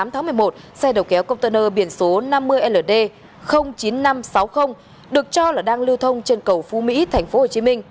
tháng một mươi một xe đầu kéo công tơ nơ biển số năm mươi ld chín nghìn năm trăm sáu mươi được cho là đang lưu thông trên cầu phú mỹ tp hcm